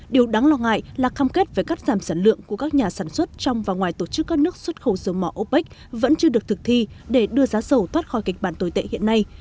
điều đáng lo ngại là cam kết về cắt giảm sản lượng của các nhà sản xuất trong và ngoài tổ chức các nước xuất khẩu dầu mỏ opec vẫn chưa được thực thi để đưa giá dầu thoát khỏi kịch bản tồi tệ hiện nay